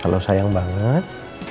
kalau sayang banget